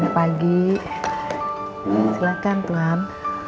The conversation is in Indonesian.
bubur ayamnya enak banget